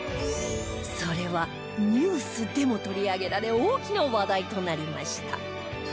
それはニュースでも取り上げられ大きな話題となりました